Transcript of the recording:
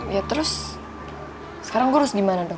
ya terus sekarang gue harus gimana dong